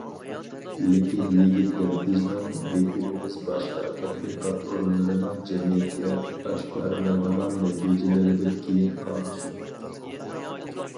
لېكىن يىگىتلەر، بىزنىڭ يەكۈنىمىز باشقا تەتقىقات ئورۇنلىرىنىڭ جەمئىيەتكە ئاشكارىلايدىغان نەتىجىلىرىدىن كېيىن قالمىسۇن.